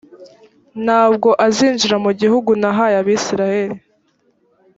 nta bwo azinjira mu gihugu nahaye abayisraheli.